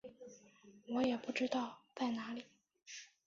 我也不知道在哪里